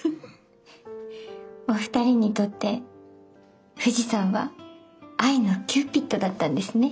お二人にとって富士山は愛のキューピッドだったんですね。